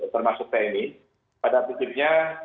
termasuk tni pada musimnya